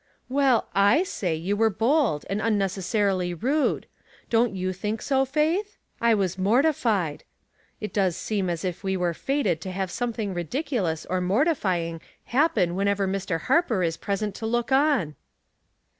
*' Well, /say you were bold, and unnecessarily rude. Don't you think so, Faith ? I was morti fied. It does seem as if we were fated to have something ridiculous or mortifying happen when ever Mr. Harper is present to look on."